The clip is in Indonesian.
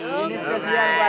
ini sekasian buat abang